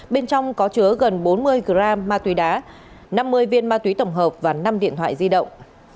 bên trong có chứa gần bốn mươi gram ma túy đá năm mươi viên ma túy tổng hợp và năm điện thoại di động